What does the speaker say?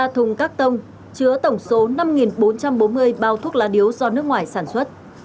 ba thùng các tông chứa tổng số năm bốn trăm bốn mươi bao thuốc lá điếu do nước ngoài sản xuất